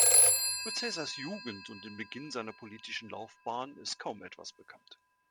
Über Caesars Jugend und den Beginn seiner politischen Laufbahn ist kaum etwas bekannt.